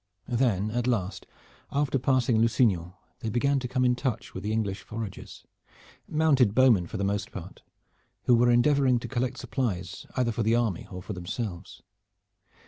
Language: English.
Then at last after passing Lusignan they began to come in touch with English foragers, mounted bowmen for the most part, who were endeavoring to collect supplies either for the army or for themselves.